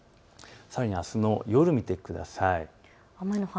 あすの夜を見てください。